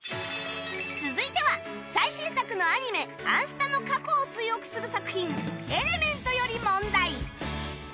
続いては最新作のアニメ『あんスタ』の過去を追憶する作品『エレメント』より問題